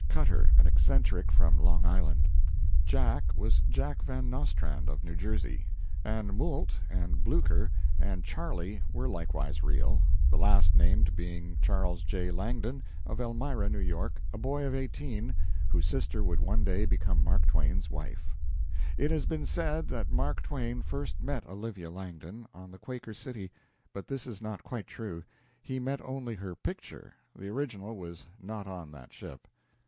Cutter, an eccentric from Long Island; "Jack" was Jack Van Nostrand, of New Jersey; and "Moult" and "Blucher" and "Charlie" were likewise real, the last named being Charles J. Langdon, of Elmira, N. Y., a boy of eighteen, whose sister would one day become Mark Twain's wife. It has been said that Mark Twain first met Olivia Langdon on the "Quaker City," but this is not quite true; he met only her picture the original was not on that ship.